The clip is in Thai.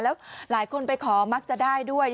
แล้วหลายคนไปขอมักจะได้ด้วย